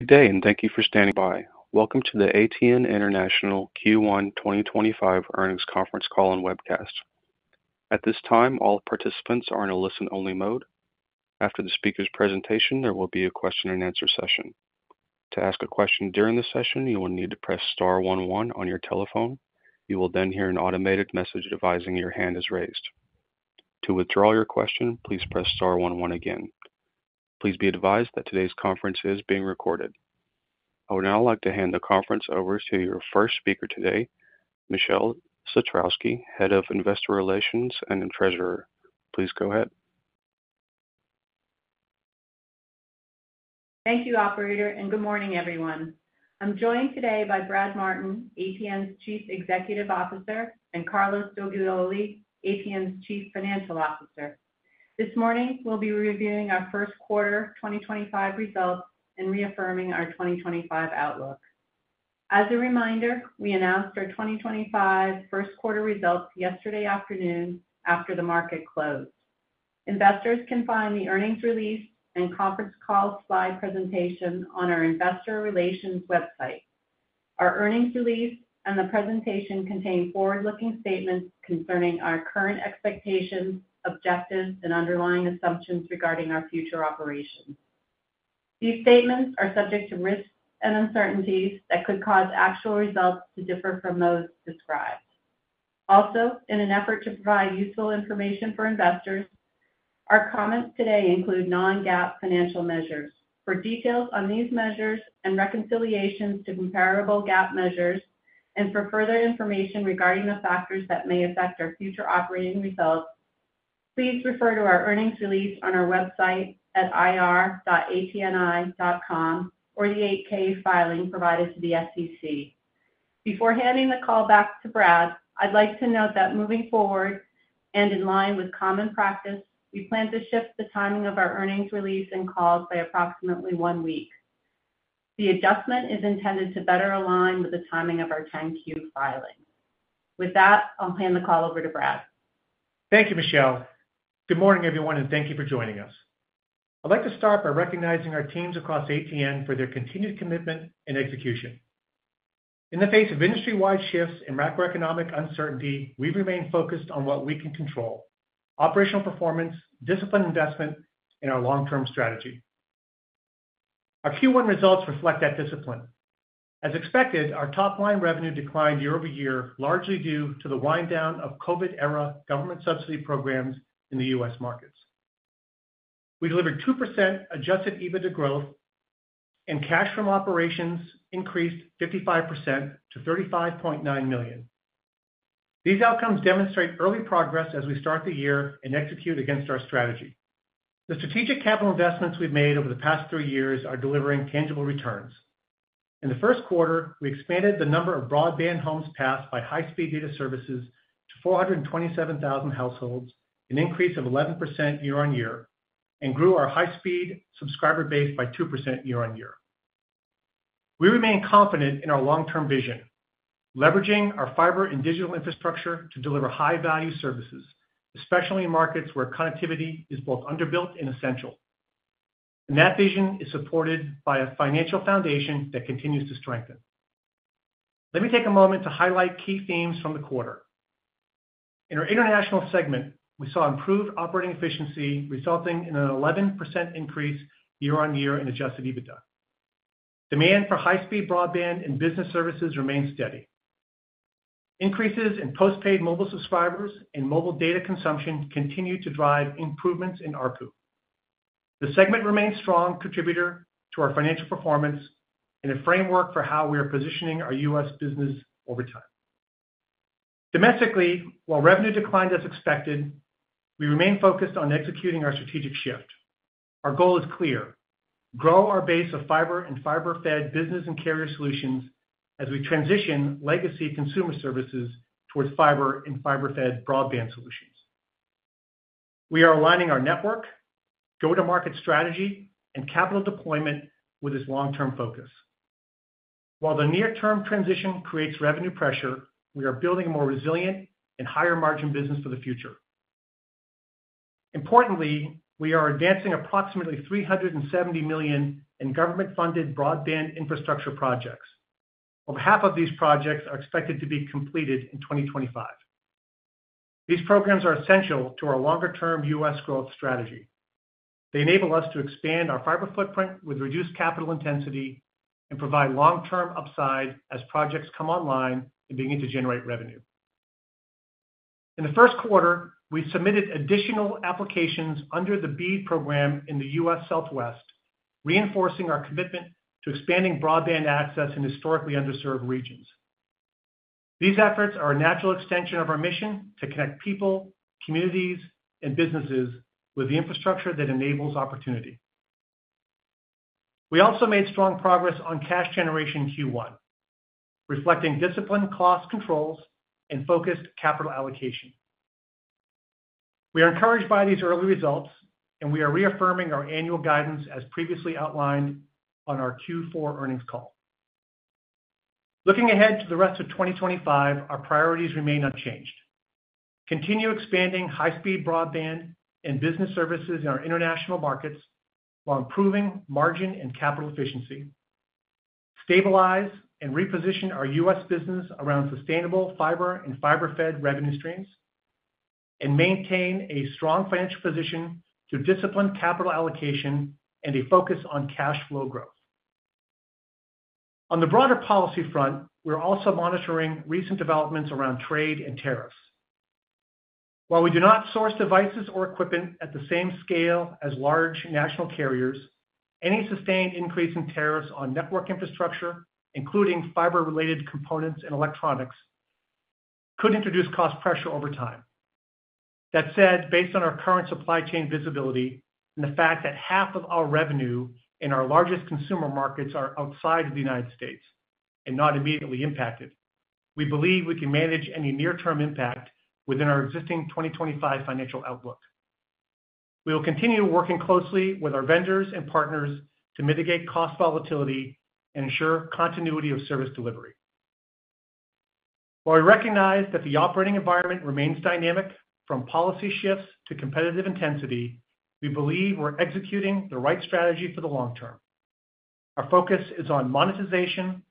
Good day, and thank you for standing by. Welcome to the ATN International Q1 2025 Earnings Conference call and webcast. At this time, all participants are in a listen-only mode. After the speaker's presentation, there will be a question-and-answer session. To ask a question during the session, you will need to press star one one on your telephone. You will then hear an automated message advising your hand is raised. To withdraw your question, please press star one one again. Please be advised that today's conference is being recorded. I would now like to hand the conference over to your first speaker today, Michele Satrowsky, Head of Investor Relations and Treasurer. Please go ahead. Thank you, Operator, and good morning, everyone. I'm joined today by Brad Martin, ATN's Chief Executive Officer, and Carlos Doglioli, ATN's Chief Financial Officer. This morning, we'll be reviewing our first quarter 2025 results and reaffirming our 2025 outlook. As a reminder, we announced our 2025 first quarter results yesterday afternoon after the market closed. Investors can find the earnings release and conference call slide presentation on our Investor Relations website. Our earnings release and the presentation contain forward-looking statements concerning our current expectations, objectives, and underlying assumptions regarding our future operations. These statements are subject to risks and uncertainties that could cause actual results to differ from those described. Also, in an effort to provide useful information for investors, our comments today include non-GAAP financial measures. For details on these measures and reconciliations to comparable GAAP measures, and for further information regarding the factors that may affect our future operating results, please refer to our earnings release on our website at ir.atni.com or the 8-K filing provided to the SEC. Before handing the call back to Brad, I'd like to note that moving forward and in line with common practice, we plan to shift the timing of our earnings release and calls by approximately one week. The adjustment is intended to better align with the timing of our 10-Q filing. With that, I'll hand the call over to Brad. Thank you, Michele. Good morning, everyone, and thank you for joining us. I'd like to start by recognizing our teams across ATN for their continued commitment and execution. In the face of industry-wide shifts and macroeconomic uncertainty, we've remained focused on what we can control: operational performance, disciplined investment, and our long-term strategy. Our Q1 results reflect that discipline. As expected, our top-line revenue declined year-over-year, largely due to the wind-down of COVID-era government subsidy programs in the U.S. markets. We delivered 2% adjusted EBITDA growth, and cash from operations increased 55% to $35.9 million. These outcomes demonstrate early progress as we start the year and execute against our strategy. The strategic capital investments we've made over the past three years are delivering tangible returns. In the first quarter, we expanded the number of broadband homes passed by high-speed data services to 427,000 households, an increase of 11% year on year, and grew our high-speed subscriber base by 2% year on year. We remain confident in our long-term vision, leveraging our fiber and digital infrastructure to deliver high-value services, especially in markets where connectivity is both underbuilt and essential. That vision is supported by a financial foundation that continues to strengthen. Let me take a moment to highlight key themes from the quarter. In our international segment, we saw improved operating efficiency, resulting in an 11% increase year on year in adjusted EBITDA. Demand for high-speed broadband and business services remains steady. Increases in postpaid mobile subscribers and mobile data consumption continue to drive improvements in ARPU. The segment remains a strong contributor to our financial performance and a framework for how we are positioning our U.S. business over time. Domestically, while revenue declined as expected, we remain focused on executing our strategic shift. Our goal is clear: grow our base of fiber and fiber-fed business and carrier solutions as we transition legacy consumer services towards fiber and fiber-fed broadband solutions. We are aligning our network, go-to-market strategy, and capital deployment with this long-term focus. While the near-term transition creates revenue pressure, we are building a more resilient and higher-margin business for the future. Importantly, we are advancing approximately $370 million in government-funded broadband infrastructure projects. Over half of these projects are expected to be completed in 2025. These programs are essential to our longer-term U.S. growth strategy. They enable us to expand our fiber footprint with reduced capital intensity and provide long-term upside as projects come online and begin to generate revenue. In the first quarter, we submitted additional applications under the BEAD Program in the U.S. Southwest, reinforcing our commitment to expanding broadband access in historically underserved regions. These efforts are a natural extension of our mission to connect people, communities, and businesses with the infrastructure that enables opportunity. We also made strong progress on cash generation in Q1, reflecting disciplined cost controls and focused capital allocation. We are encouraged by these early results, and we are reaffirming our annual guidance, as previously outlined on our Q4 earnings call. Looking ahead to the rest of 2025, our priorities remain unchanged. Continue expanding high-speed broadband and business services in our international markets while improving margin and capital efficiency, stabilize and reposition our U.S. business around sustainable fiber and fiber-fed revenue streams, and maintain a strong financial position through disciplined capital allocation and a focus on cash flow growth. On the broader policy front, we're also monitoring recent developments around trade and tariffs. While we do not source devices or equipment at the same scale as large national carriers, any sustained increase in tariffs on network infrastructure, including fiber-related components and electronics, could introduce cost pressure over time. That said, based on our current supply chain visibility and the fact that half of our revenue in our largest consumer markets are outside of the United States and not immediately impacted, we believe we can manage any near-term impact within our existing 2025 financial outlook. We will continue working closely with our vendors and partners to mitigate cost volatility and ensure continuity of service delivery. While we recognize that the operating environment remains dynamic from policy shifts to competitive intensity, we believe we're executing the right strategy for the long term. Our focus is on monetization,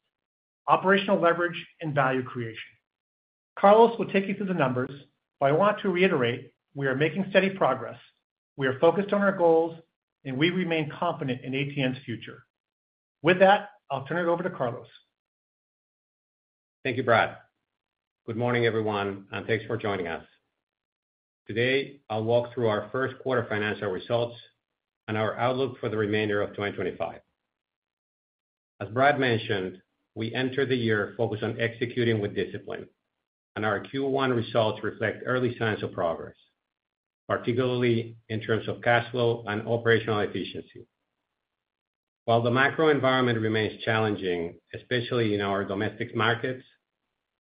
operational leverage, and value creation. Carlos will take you through the numbers, but I want to reiterate we are making steady progress, we are focused on our goals, and we remain confident in ATN's future. With that, I'll turn it over to Carlos. Thank you, Brad. Good morning, everyone, and thanks for joining us. Today, I'll walk through our first quarter financial results and our outlook for the remainder of 2025. As Brad mentioned, we entered the year focused on executing with discipline, and our Q1 results reflect early signs of progress, particularly in terms of cash flow and operational efficiency. While the macro environment remains challenging, especially in our domestic markets,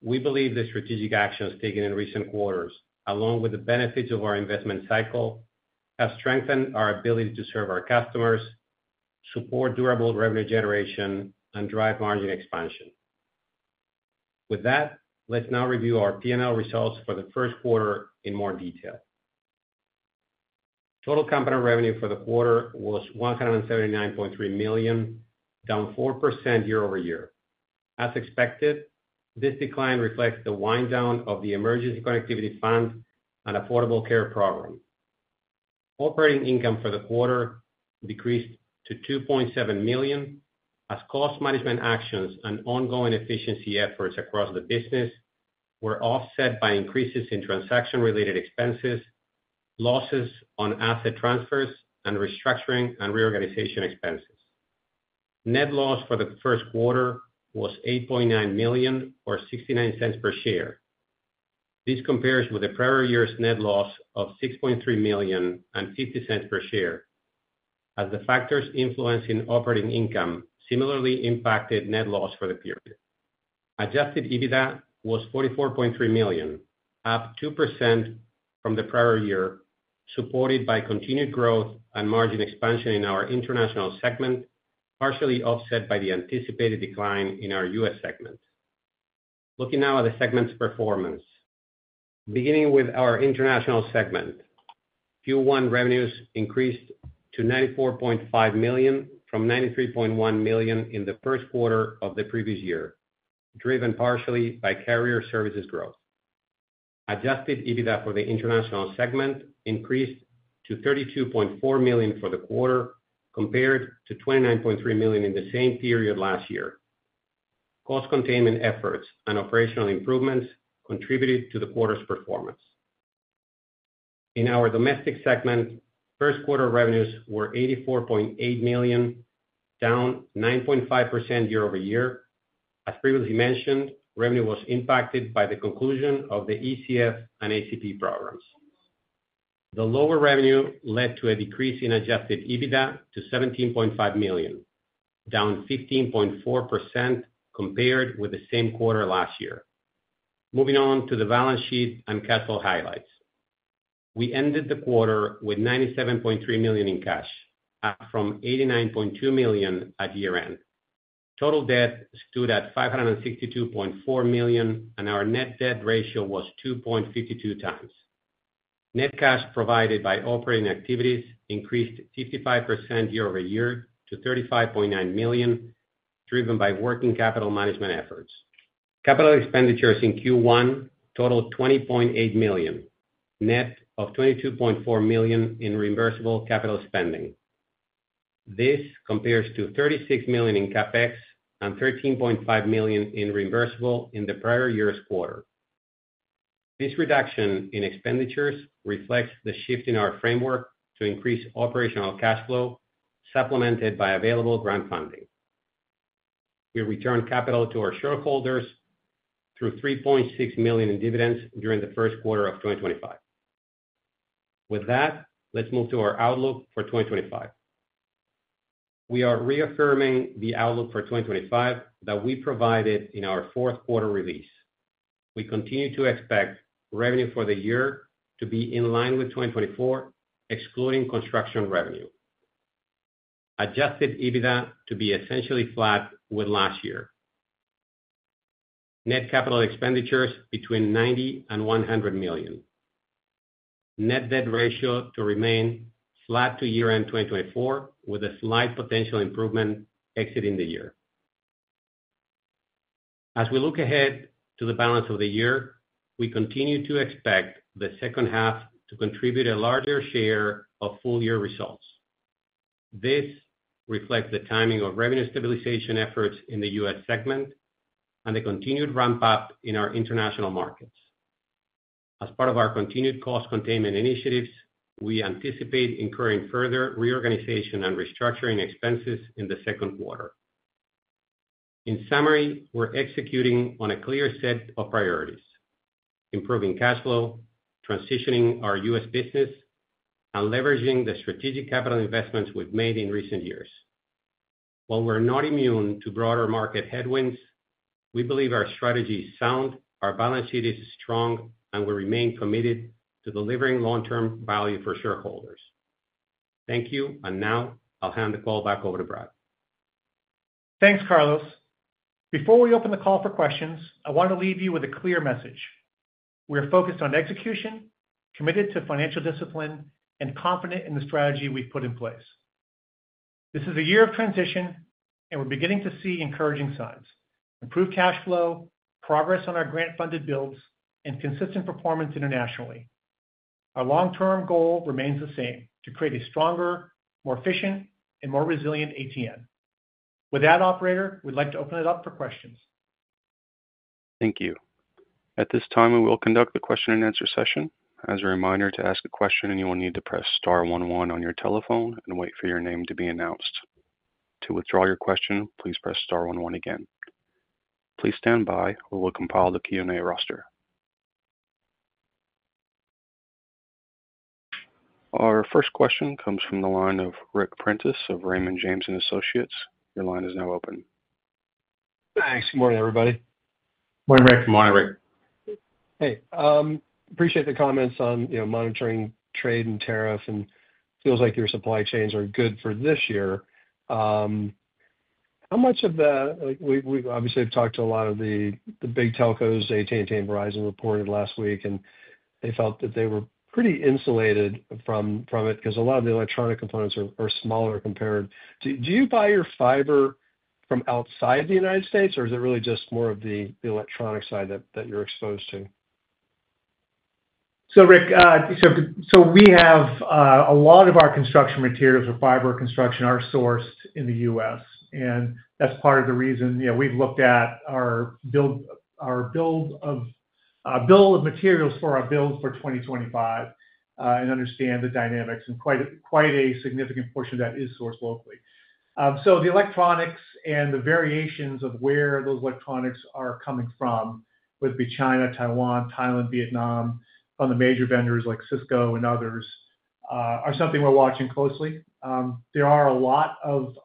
we believe the strategic actions taken in recent quarters, along with the benefits of our investment cycle, have strengthened our ability to serve our customers, support durable revenue generation, and drive margin expansion. With that, let's now review our P&L results for the first quarter in more detail. Total company revenue for the quarter was $179.3 million, down 4% year-over-year. As expected, this decline reflects the wind-down of the Emergency Connectivity Fund and Affordable Connectivity Program. Operating income for the quarter decreased to $2.7 million as cost management actions and ongoing efficiency efforts across the business were offset by increases in transaction-related expenses, losses on asset transfers, and restructuring and reorganization expenses. Net loss for the first quarter was $8.9 million, or $0.69 per share. This compares with the prior year's net loss of $6.3 million and $0.50 per share, as the factors influencing operating income similarly impacted net loss for the period. Adjusted EBITDA was $44.3 million, up 2% from the prior year, supported by continued growth and margin expansion in our international segment, partially offset by the anticipated decline in our U.S. segment. Looking now at the segment's performance, beginning with our international segment, Q1 revenues increased to $94.5 million from $93.1 million in the first quarter of the previous year, driven partially by carrier services growth. Adjusted EBITDA for the international segment increased to $32.4 million for the quarter, compared to $29.3 million in the same period last year. Cost containment efforts and operational improvements contributed to the quarter's performance. In our domestic segment, first quarter revenues were $84.8 million, down 9.5% year-over-year. As previously mentioned, revenue was impacted by the conclusion of the ECF and ACP programs. The lower revenue led to a decrease in adjusted EBITDA to $17.5 million, down 15.4% compared with the same quarter last year. Moving on to the balance sheet and cash flow highlights. We ended the quarter with $97.3 million in cash, up from $89.2 million at year-end. Total debt stood at $562.4 million, and our net debt ratio was 2.52x. Net cash provided by operating activities increased 55% year-over-year to $35.9 million, driven by working capital management efforts. Capital expenditures in Q1 totaled $20.8 million, net of $22.4 million in reimbursable capital spending. This compares to $36 million in CapEx and $13.5 million in reimbursable in the prior year's quarter. This reduction in expenditures reflects the shift in our framework to increase operational cash flow, supplemented by available grant funding. We returned capital to our shareholders through $3.6 million in dividends during the first quarter of 2025. With that, let's move to our outlook for 2025. We are reaffirming the outlook for 2025 that we provided in our fourth quarter release. We continue to expect revenue for the year to be in line with 2024, excluding construction revenue. Adjusted EBITDA to be essentially flat with last year. Net capital expenditures between $90-$100 million. Net debt ratio to remain flat to year-end 2024, with a slight potential improvement exiting the year. As we look ahead to the balance of the year, we continue to expect the second half to contribute a larger share of full-year results. This reflects the timing of revenue stabilization efforts in the U.S. segment and the continued ramp-up in our international markets. As part of our continued cost containment initiatives, we anticipate incurring further reorganization and restructuring expenses in the second quarter. In summary, we're executing on a clear set of priorities: improving cash flow, transitioning our U.S. business, and leveraging the strategic capital investments we've made in recent years. While we're not immune to broader market headwinds, we believe our strategy is sound, our balance sheet is strong, and we remain committed to delivering long-term value for shareholders. Thank you, and now I'll hand the call back over to Brad. Thanks, Carlos. Before we open the call for questions, I wanted to leave you with a clear message. We are focused on execution, committed to financial discipline, and confident in the strategy we've put in place. This is a year of transition, and we're beginning to see encouraging signs: improved cash flow, progress on our grant-funded builds, and consistent performance internationally. Our long-term goal remains the same: to create a stronger, more efficient, and more resilient ATN. With that, Operator, we'd like to open it up for questions. Thank you. At this time, we will conduct the question-and-answer session. As a reminder to ask a question, you will need to press star one one on your telephone and wait for your name to be announced. To withdraw your question, please press star one one again. Please stand by while we compile the Q&A roster. Our first question comes from the line of Ric Prentiss of Raymond James & Associates. Your line is now open. Thanks. Good morning, everybody. Morning, Ric. Good morning, Ric. Hey. Appreciate the comments on monitoring trade and tariff, and it feels like your supply chains are good for this year. How much of the—we've obviously talked to a lot of the big telcos, AT&T and Verizon, reported last week, and they felt that they were pretty insulated from it because a lot of the electronic components are smaller compared. Do you buy your fiber from outside the United States, or is it really just more of the electronic side that you're exposed to? Rick, we have a lot of our construction materials for fiber construction sourced in the U.S. That is part of the reason we have looked at our bill of materials for our builds for 2025 and understand the dynamics. Quite a significant portion of that is sourced locally. The electronics and the variations of where those electronics are coming from, whether it be China, Taiwan, Thailand, Vietnam, from the major vendors like Cisco and others, are something we are watching closely. There are a lot of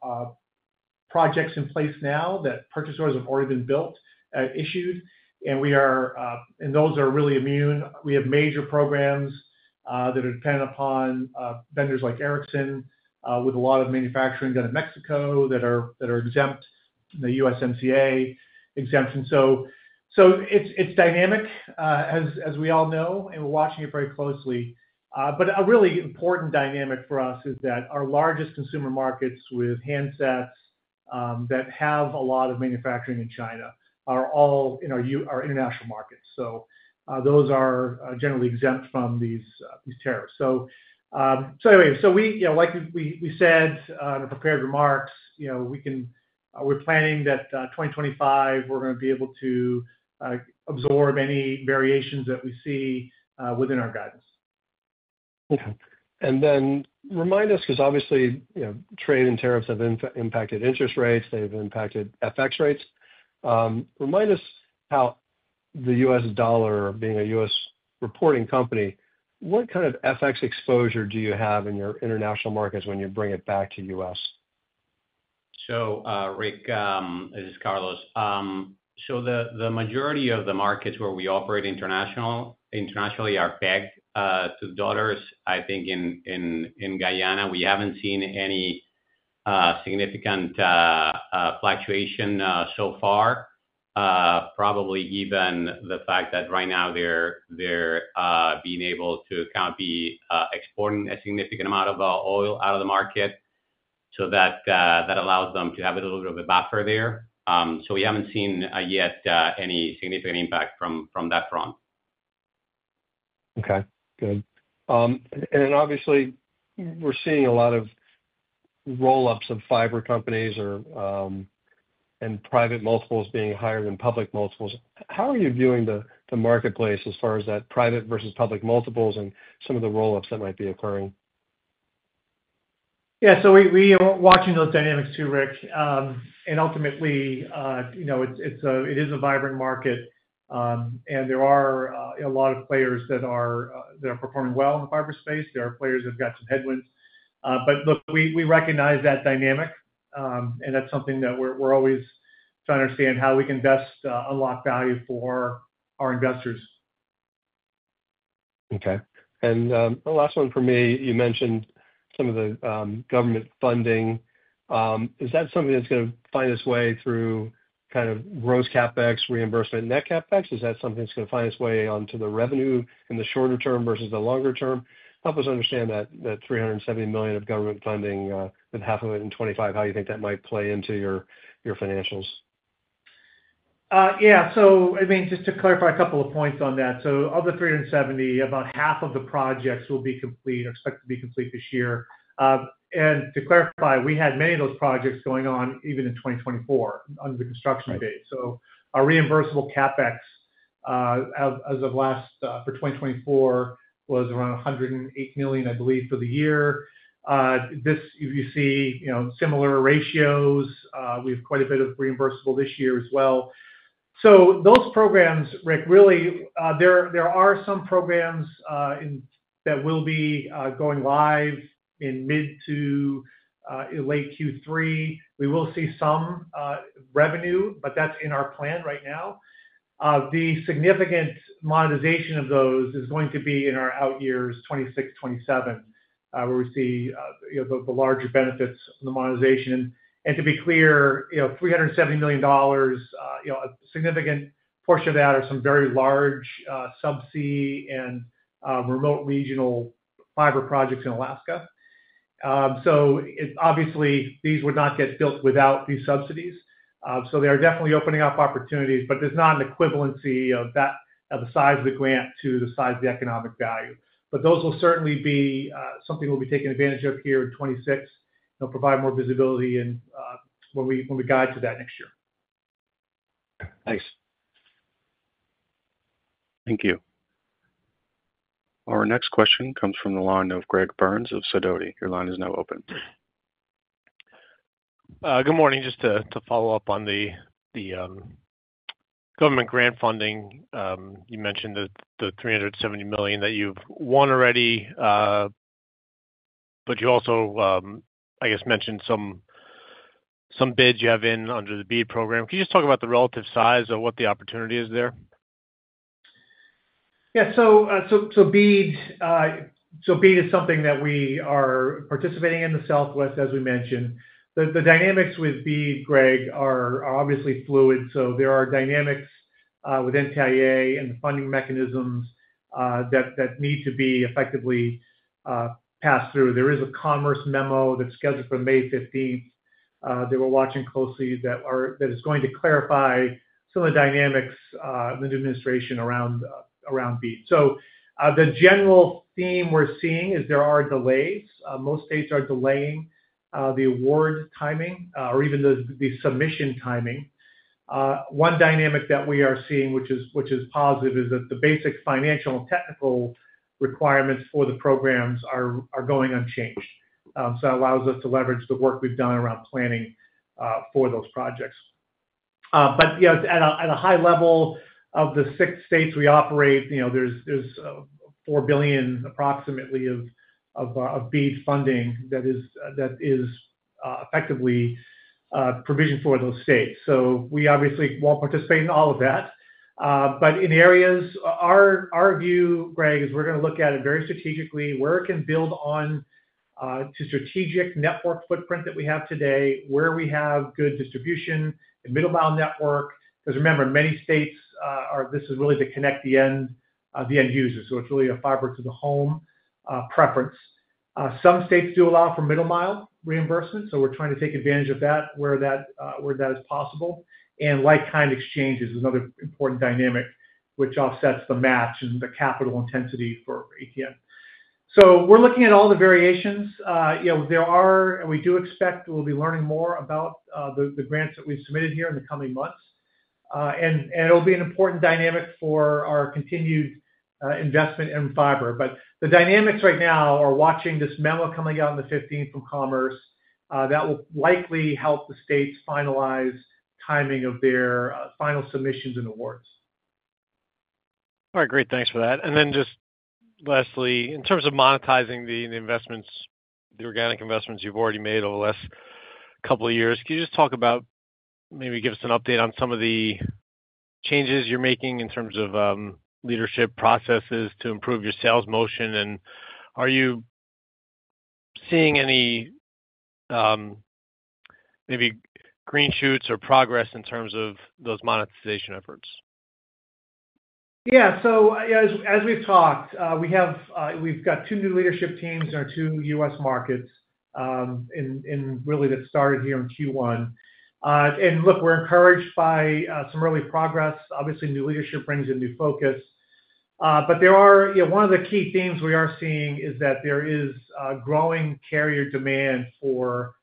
projects in place now that purchase orders have already been issued, and those are really immune. We have major programs that are dependent upon vendors like Ericsson, with a lot of manufacturing done in Mexico that are exempt from the USMCA exemption. It is dynamic, as we all know, and we are watching it very closely. A really important dynamic for us is that our largest consumer markets, with handsets that have a lot of manufacturing in China, are all in our international markets. Those are generally exempt from these tariffs. Like we said in the prepared remarks, we're planning that 2025, we're going to be able to absorb any variations that we see within our guidance. Okay. Remind us, because obviously trade and tariffs have impacted interest rates, they've impacted FX rates. Remind us how the U.S. dollar, being a U.S. reporting company, what kind of FX exposure do you have in your international markets when you bring it back to the U.S.? Rick, this is Carlos. The majority of the markets where we operate internationally are pegged to dollars. I think in Guyana, we haven't seen any significant fluctuation so far, probably given the fact that right now they're being able to kind of be exporting a significant amount of oil out of the market. That allows them to have a little bit of a buffer there. We haven't seen yet any significant impact from that front. Okay. Good. Obviously we're seeing a lot of roll-ups of fiber companies and private multiples being higher than public multiples. How are you viewing the marketplace as far as that private versus public multiples and some of the roll-ups that might be occurring? Yeah. We are watching those dynamics too, Rick. Ultimately, it is a vibrant market, and there are a lot of players that are performing well in the fiber space. There are players that have got some headwinds. Look, we recognize that dynamic, and that's something that we're always trying to understand how we can best unlock value for our investors. Okay. The last one for me, you mentioned some of the government funding. Is that something that's going to find its way through kind of gross CapEx, reimbursement, net CapEx? Is that something that's going to find its way onto the revenue in the shorter term versus the longer term? Help us understand that $370 million of government funding, with half of it in 2025, how you think that might play into your financials. Yeah. I mean, just to clarify a couple of points on that. Of the $370 million, about half of the projects will be complete or expected to be complete this year. To clarify, we had many of those projects going on even in 2024 under the construction state. Our reimbursable CapEx as of last for 2024 was around $108 million, I believe, for the year. You see similar ratios. We have quite a bit of reimbursable this year as well. Those programs, Ric, really, there are some programs that will be going live in mid to late Q3. We will see some revenue, but that is in our plan right now. The significant monetization of those is going to be in our out years, 2026, 2027, where we see the larger benefits from the monetization. To be clear, $370 million, a significant portion of that are some very large subsea and remote regional fiber projects in Alaska. Obviously, these would not get built without these subsidies. They are definitely opening up opportunities, but there is not an equivalency of the size of the grant to the size of the economic value. Those will certainly be something we will be taking advantage of here in 2026. They will provide more visibility when we guide to that next year. Thanks. Thank you. Our next question comes from the line of Greg Burns of Sidoti. Your line is now open. Good morning. Just to follow up on the government grant funding, you mentioned the $370 million that you've won already, but you also, I guess, mentioned some bids you have in under the BEAD program. Can you just talk about the relative size of what the opportunity is there? Yeah. BEAD is something that we are participating in the Southwest, as we mentioned. The dynamics with BEAD, Greg, are obviously fluid. There are dynamics with NTIA and the funding mechanisms that need to be effectively passed through. There is a commerce memo that is scheduled for May 15th that we are watching closely that is going to clarify some of the dynamics in the new administration around BEAD. The general theme we are seeing is there are delays. Most states are delaying the award timing or even the submission timing. One dynamic that we are seeing, which is positive, is that the basic financial and technical requirements for the programs are going unchanged. That allows us to leverage the work we have done around planning for those projects. At a high level of the six states we operate, there's approximately $4 billion of BEAD funding that is effectively provisioned for those states. We obviously will participate in all of that. In areas, our view, Greg, is we're going to look at it very strategically, where it can build on to strategic network footprint that we have today, where we have good distribution and middle-mile network. Remember, many states, this is really to connect the end users. It's really a fiber-to-the-home preference. Some states do allow for middle-mile reimbursement. We're trying to take advantage of that where that is possible. Like-kind exchanges is another important dynamic, which offsets the match and the capital intensity for ATN. We're looking at all the variations. There are, and we do expect we'll be learning more about the grants that we've submitted here in the coming months. It will be an important dynamic for our continued investment in fiber. The dynamics right now are watching this memo coming out on the 15th from Commerce that will likely help the states finalize timing of their final submissions and awards. All right. Great. Thanks for that. Lastly, in terms of monetizing the investments, the organic investments you've already made over the last couple of years, can you just talk about, maybe give us an update on some of the changes you're making in terms of leadership processes to improve your sales motion? Are you seeing any maybe green shoots or progress in terms of those monetization efforts? Yeah. As we've talked, we've got two new leadership teams in our two U.S. markets and really that started here in Q1. Look, we're encouraged by some early progress. Obviously, new leadership brings a new focus. One of the key themes we are seeing is that there is growing carrier demand for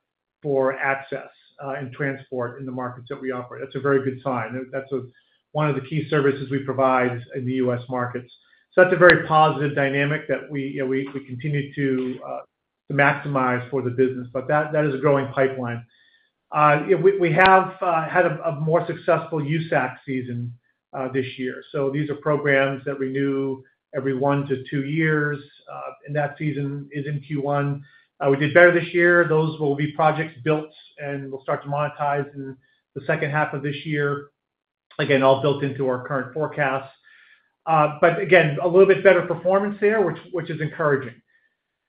access and transport in the markets that we operate. That's a very good sign. That's one of the key services we provide in the U.S. markets. That's a very positive dynamic that we continue to maximize for the business. That is a growing pipeline. We have had a more successful USAC season this year. These are programs that renew every one to two years. That season is in Q1. We did better this year. Those will be projects built, and we'll start to monetize in the second half of this year, again, all built into our current forecasts. Again, a little bit better performance there, which is encouraging.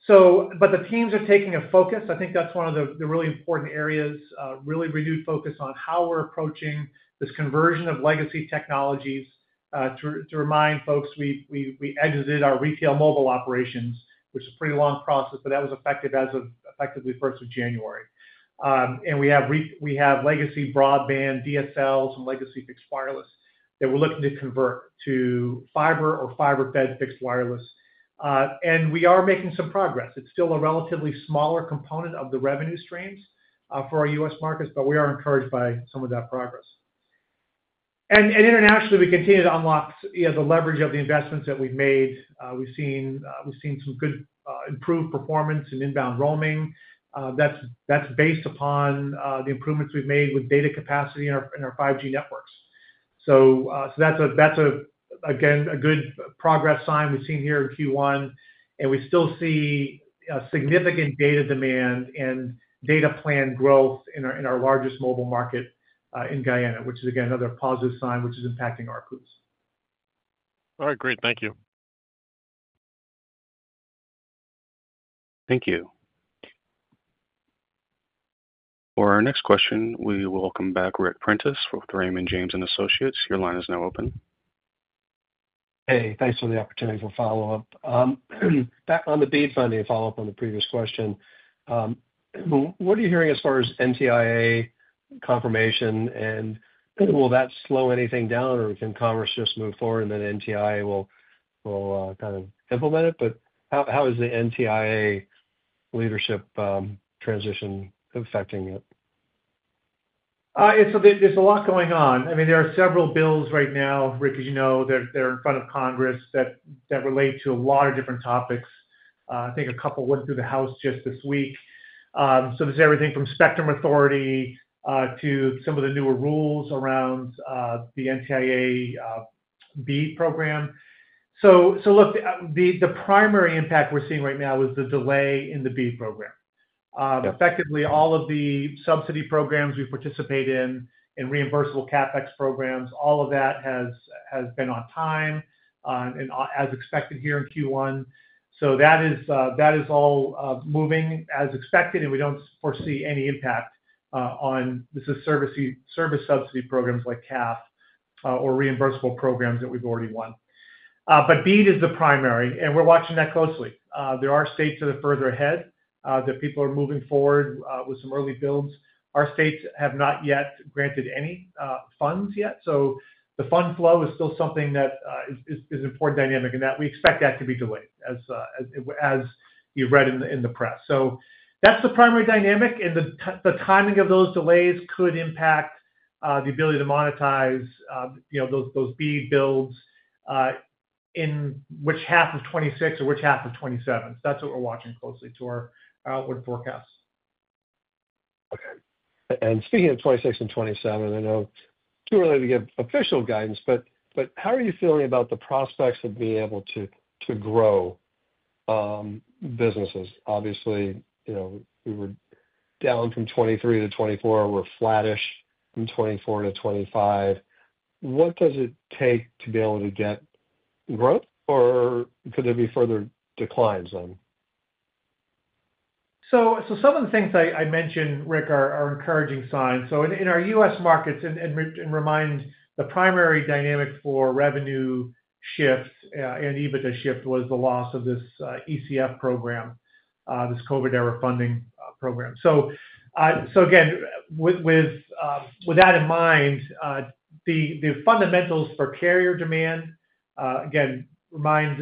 The teams are taking a focus. I think that's one of the really important areas, really renewed focus on how we're approaching this conversion of legacy technologies. To remind folks, we exited our retail mobile operations, which is a pretty long process, but that was effective as of effectively 1st of January. We have legacy broadband, DSL, some legacy fixed wireless that we're looking to convert to fiber or fiber-fed fixed wireless. We are making some progress. It's still a relatively smaller component of the revenue streams for our U.S. markets, but we are encouraged by some of that progress. Internationally, we continue to unlock the leverage of the investments that we've made. We've seen some good improved performance in inbound roaming. That's based upon the improvements we've made with data capacity in our 5G networks. That is, again, a good progress sign we've seen here in Q1. We still see significant data demand and data plan growth in our largest mobile market in Guyana, which is, again, another positive sign, which is impacting our groups. All right. Great. Thank you. Thank you. For our next question, we welcome back Ric Prentice with Raymond James & Associates. Your line is now open. Hey. Thanks for the opportunity for follow-up. Back on the BEAD funding, follow-up on the previous question. What are you hearing as far as NTIA confirmation? Will that slow anything down, or can commerce just move forward, and then NTIA will kind of implement it? How is the NTIA leadership transition affecting it? There's a lot going on. I mean, there are several bills right now, Rick, as you know, that are in front of Congress that relate to a lot of different topics. I think a couple went through the House just this week. There's everything from spectrum authority to some of the newer rules around the NTIA BEAD program. Look, the primary impact we're seeing right now is the delay in the BEAD program. Effectively, all of the subsidy programs we participate in and reimbursable CapEx programs, all of that has been on time and as expected here in Q1. That is all moving as expected, and we don't foresee any impact on the service subsidy programs like CAF or reimbursable programs that we've already won. BEAD is the primary, and we're watching that closely. There are states that are further ahead, that people are moving forward with some early builds. Our states have not yet granted any funds yet. The fund flow is still something that is an important dynamic, and we expect that to be delayed as you've read in the press. That is the primary dynamic. The timing of those delays could impact the ability to monetize those BEAD builds in which half of 2026 or which half of 2027. That is what we're watching closely to our outward forecasts. Okay. Speaking of 2026 and 2027, I know too early to give official guidance, but how are you feeling about the prospects of being able to grow businesses? Obviously, we were down from 2023 to 2024. We are flattish from 2024 to 2025. What does it take to be able to get growth, or could there be further declines then? Some of the things I mentioned, Ric, are encouraging signs. In our U.S. markets, and remind the primary dynamic for revenue shifts and even to shift was the loss of this ECF program, this COVID-era funding program. Again, with that in mind, the fundamentals for carrier demand, again, remind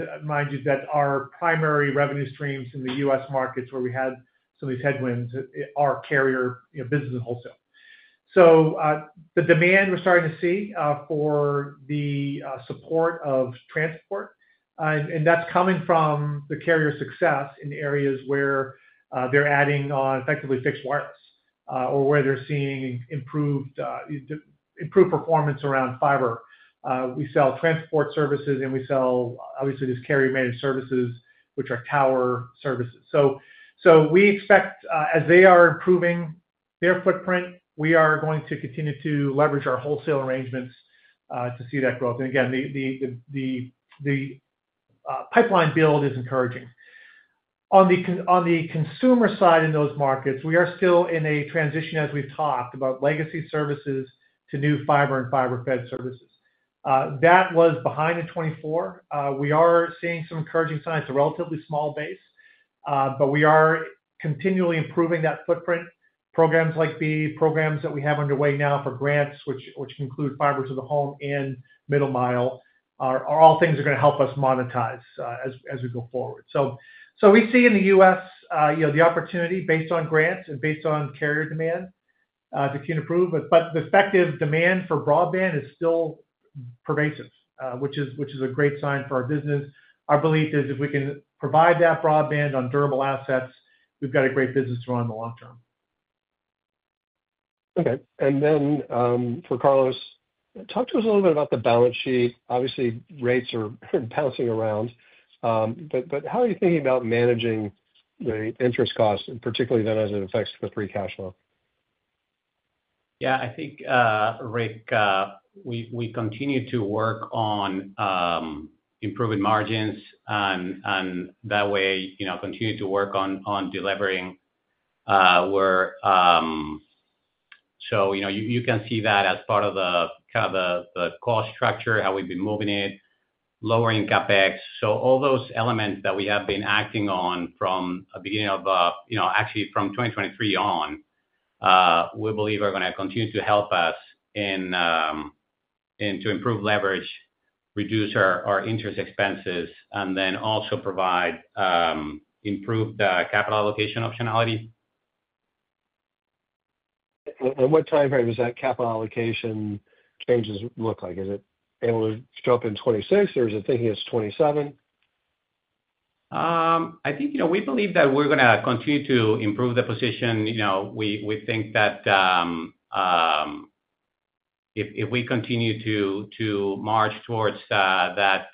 you that our primary revenue streams in the U.S. markets where we had some of these headwinds are carrier business and wholesale. The demand we're starting to see for the support of transport, and that's coming from the carrier success in areas where they're adding on effectively fixed wireless or where they're seeing improved performance around fiber. We sell transport services, and we sell, obviously, these carrier-managed services, which are tower services. We expect as they are improving their footprint, we are going to continue to leverage our wholesale arrangements to see that growth. The pipeline build is encouraging. On the consumer side in those markets, we are still in a transition as we've talked about legacy services to new fiber and fiber-fed services. That was behind in 2024. We are seeing some encouraging signs. It's a relatively small base, but we are continually improving that footprint. Programs like BEAD, programs that we have underway now for grants, which include fiber-to-the-home and middle-mile, are all things that are going to help us monetize as we go forward. We see in the U.S. the opportunity based on grants and based on carrier demand that can improve. The effective demand for broadband is still pervasive, which is a great sign for our business. Our belief is if we can provide that broadband on durable assets, we've got a great business to run in the long term. Okay. For Carlos, talk to us a little bit about the balance sheet. Obviously, rates are bouncing around. How are you thinking about managing the interest costs, particularly then as it affects the free cash flow? Yeah. I think, Ric, we continue to work on improving margins, and that way continue to work on delivering. You can see that as part of the kind of the cost structure, how we've been moving it, lowering CapEx. All those elements that we have been acting on from the beginning of actually from 2023 on, we believe are going to continue to help us to improve leverage, reduce our interest expenses, and then also provide improved capital allocation optionality. What timeframe does that capital allocation changes look like? Is it able to show up in 2026, or is it thinking it's 2027? I think we believe that we're going to continue to improve the position. We think that if we continue to march towards that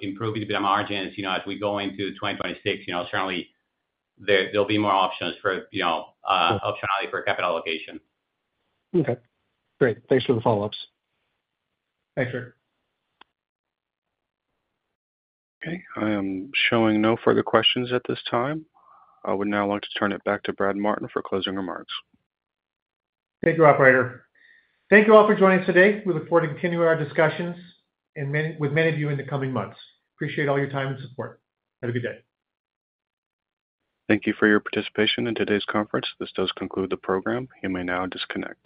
improvement in the margins as we go into 2026, certainly there'll be more options for optionality for capital allocation. Okay. Great. Thanks for the follow-ups. Thanks, Ric. Okay. I am showing no further questions at this time. I would now like to turn it back to Brad Martin for closing remarks. Thank you, Operator. Thank you all for joining us today. We look forward to continuing our discussions with many of you in the coming months. Appreciate all your time and support. Have a good day. Thank you for your participation in today's conference. This does conclude the program. You may now disconnect.